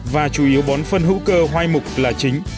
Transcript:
và chủ yếu bón phân hữu cơ hoa mục là chính